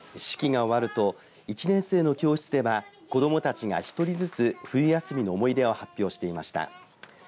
式が終わると１年生の教室では、子どもたちが１人ずつ冬休みの思い出を発表していました。